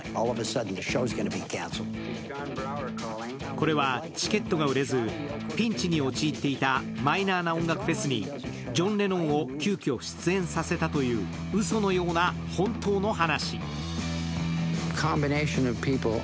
これはチケットが売れず、ピンチに陥っていたマイナーな音楽フェスにジョン・レノンを急きょ出演させたといううそのような本当の話。